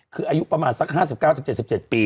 คืออายุประมาณสัก๕๙๗๗ปี